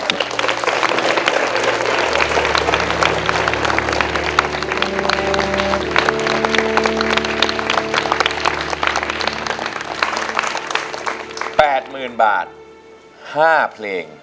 ๘หมื่นบาท๕เพลง